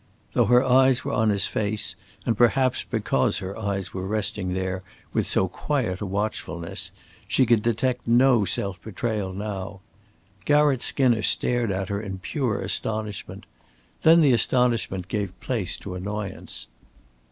Though her eyes were on his face, and perhaps because her eyes were resting there with so quiet a watchfulness, she could detect no self betrayal now. Garratt Skinner stared at her in pure astonishment. Then the astonishment gave place to annoyance.